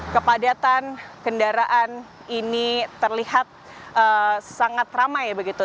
kepadatan kendaraan ini terlihat sangat ramah